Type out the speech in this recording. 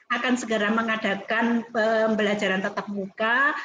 akan segera mengadakan pembelajaran tetap muka